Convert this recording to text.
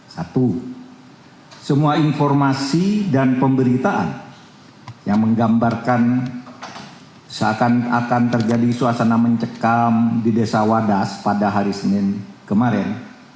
satu semua informasi dan pemberitaan yang menggambarkan seakan akan terjadi suasana mencekam di desa wadas pada hari senin kemarin